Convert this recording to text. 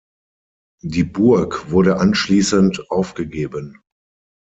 Die Burg wurde anschließend aufgegeben.